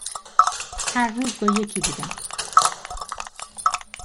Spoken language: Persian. هر روز با یکی بودم